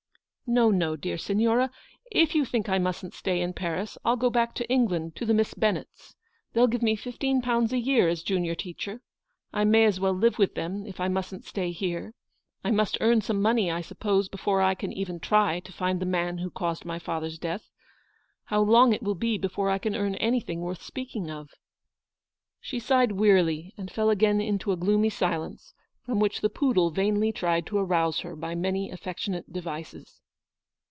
" "No, no, dear Signora. If you think I mustn't stay in Paris, I'll go back to England, to the Miss Bennetts. They'll give me fifteen pounds a year as junior teacher. I may as well live with them, if I mustn't stay here. I must earn some money, I suppose, before I can even LOOKING TO THE FUTURE. 187 try to find the man who caused my father's death. How long it will be before I can earn anything worth speaking of ! n She sighed wearily, and fell again into a gloomy silence, from which the poodle vainly tried to arouse her by many affectionate devices.